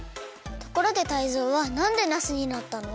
ところでタイゾウはなんでナスになったの？